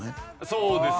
そうですね